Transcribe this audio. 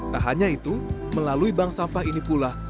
tak hanya itu melalui bank sampah ini pula